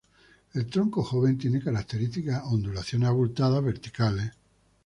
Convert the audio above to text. El tronco joven tiene características ondulaciones abultadas verticales.